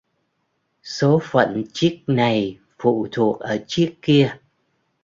Số phận chiếc này phụ thuộc ở chiếc kia